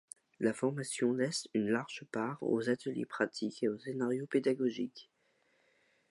La formation laisse une large part aux ateliers pratiques et aux scénarios pédagogiques.